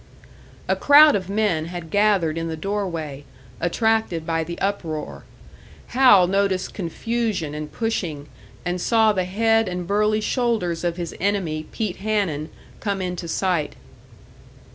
A crowd of men had gathered in the doorway, attracted by the uproar; Hal noticed confusion and pushing, and saw the head and burly shoulders of his enemy, Pete Hanun, come into sight.